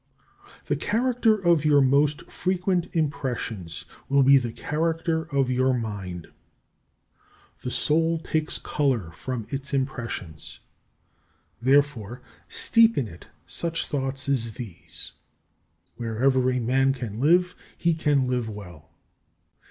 16. The character of your most frequent impressions will be the character of your mind. The soul takes colour from its impressions, therefore steep it in such thoughts as these: Wherever a man can live, he can live well.